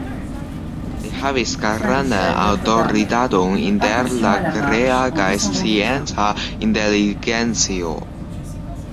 Li havis grandan aŭtoritaton inter la krea kaj scienca inteligencio.